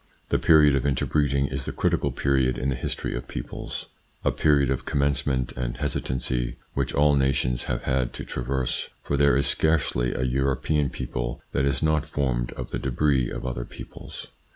The period of interbreeding is the critical period in the history of peoples, a period of com mencement and hesitancy which all nations have had to traverse, for there is scarcely a European people that is not formed of the debris of other peoples.